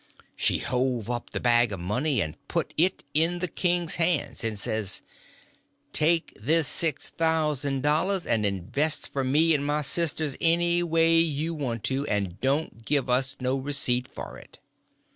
She hove up the bag of money and put it in the king's hands, and says, "Take this six thousand dollars, and invest for me and my sisters any way you want to, and don't give us no receipt for it."